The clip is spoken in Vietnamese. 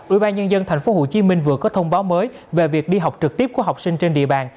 ủy ban nhân dân tp hcm vừa có thông báo mới về việc đi học trực tiếp của học sinh trên địa bàn